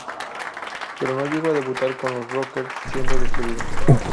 Pero no llegó a debutar con los Rockets, siendo despedido.